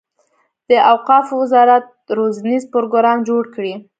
د اوقافو وزارت روزنیز پروګرام جوړ کړي.